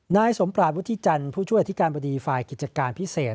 นายสมปราศวุฒิจันทร์ผู้ช่วยอธิการบดีฝ่ายกิจการพิเศษ